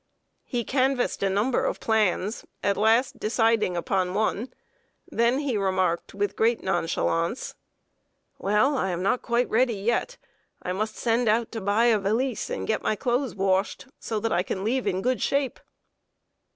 He canvassed a number of plans, at last deciding upon one. Then he remarked, with great nonchalance: "Well, I am not quite ready yet; I must send out to buy a valise and get my clothes washed, so that I can leave in good shape."